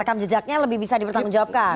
rekam jejaknya lebih bisa dipertanggungjawabkan